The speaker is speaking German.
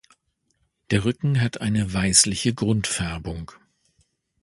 Der Rücken hat eine weißliche Grundfärbung.